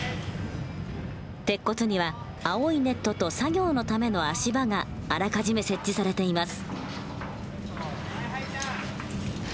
鉄骨には青いネットと作業のための足場があらかじめ設置されています